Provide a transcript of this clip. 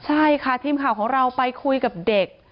ใช่ค่ะทีมข่าวของเราไปคุยกับเด็ก